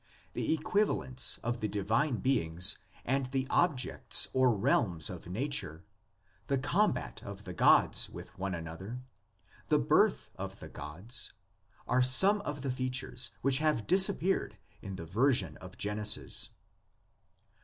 The equivalence of the divine beings and the objects or realms of nature, the combat of the gods with one another, the birth of the gods, are some of the features which have disappeared in the version of Genesis.